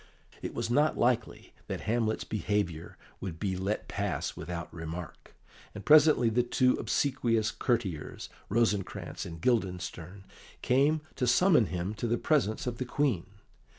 It was not likely that Hamlet's behaviour would be let pass without remark, and presently the two obsequious courtiers, Rosencrantz and Guildenstern, came to summon him to the presence of the Queen.